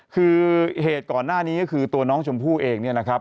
คือเหตุก่อนหน้านี้ก็คือตัวน้องชมพู่เองเนี่ยนะครับ